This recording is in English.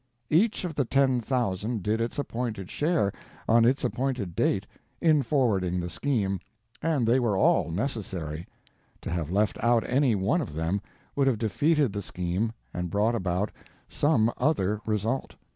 Each of the ten thousand did its appointed share, on its appointed date, in forwarding the scheme, and they were all necessary; to have left out any one of them would have defeated the scheme and brought about some other result.